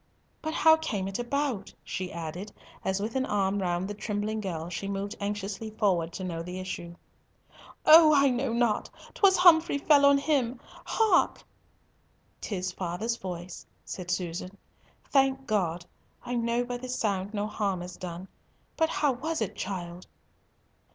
"But how came it about?" she added, as with an arm round the trembling girl, she moved anxiously forward to know the issue. "Oh! I know not. 'Twas Humfrey fell on him. Hark!" "'Tis father's voice," said Susan. "Thank God! I know by the sound no harm is done! But how was it, child?"